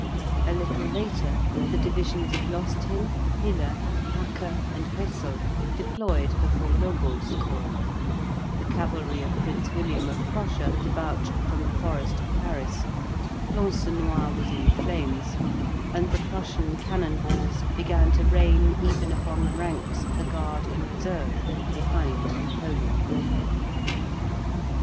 A little later, the divisions of Losthin, Hiller, Hacke, and Ryssel deployed before Lobau's corps, the cavalry of Prince William of Prussia debouched from the forest of Paris, Plancenoit was in flames, and the Prussian cannon balls began to rain even upon the ranks of the guard in reserve behind Napoleon.